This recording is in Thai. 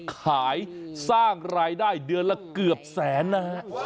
ขายสร้างรายได้เดือนละเกือบแสนนะฮะ